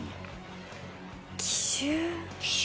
奇襲？